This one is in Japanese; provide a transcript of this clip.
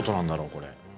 これ。